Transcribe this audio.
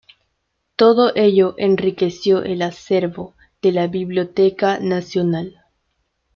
Todo ello enriqueció el acervo de la Biblioteca Nacional.